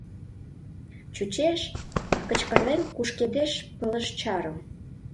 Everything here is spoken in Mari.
Чучеш, кычкырлен кушкедеш пылышчарым.